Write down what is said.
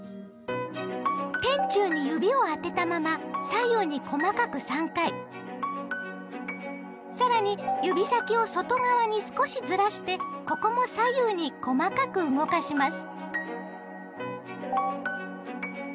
天柱に指を当てたまま更に指先を外側に少しずらしてここも左右に細かく動かします。